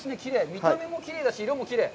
見た目もきれいだし、色もきれい。